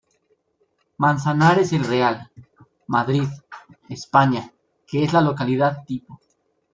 Manzanares el Real, Madrid, España, que es la localidad tipo.